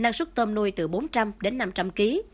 năng suất tôm nuôi từ bốn trăm linh đến năm trăm linh kg